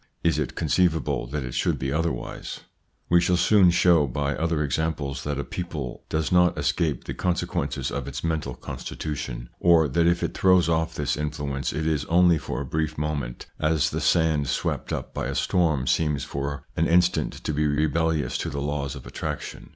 Is it conceivable that it should be otherwise ? We shall soon show by other examples that a people does not escape the consequences of its mental constitution ; or that if it throws off this influence it is only for a brief moment, as the sand swept up by a storm seems for an instant to be rebellious to the laws of attraction.